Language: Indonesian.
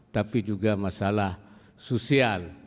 tapi juga masalah sosial